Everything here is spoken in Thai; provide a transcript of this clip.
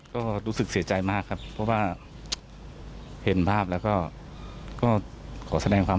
ก็รู้สึกเสียใจมากครับเพราะว่าเห็นภาพแล้วก็ขอแสดงความ